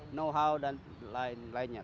know how dan lain lainnya